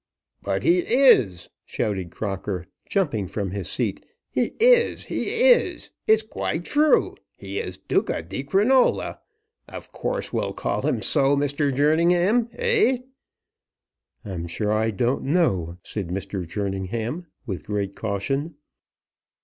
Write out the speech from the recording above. "But he is," shouted Crocker, jumping from his seat. "He is! He is! It's quite true. He is Duca di Crinola. Of course we'll call him so, Mr. Jerningham; eh?" "I am sure I don't know," said Mr. Jerningham with great caution.